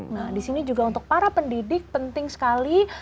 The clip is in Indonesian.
nah disini juga untuk para pendidik penting sekali